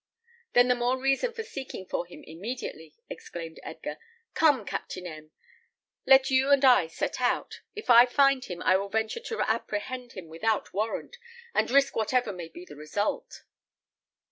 "Then the more reason for seeking for him immediately," exclaimed Edgar. "Come, Captain M , let you and I set out. If I find him, I will venture to apprehend him without warrant, and risk whatever may be the result."